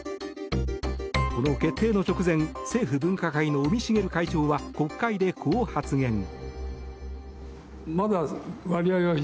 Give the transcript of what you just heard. この決定の直前政府分科会の尾身茂会長は国会でこう発言。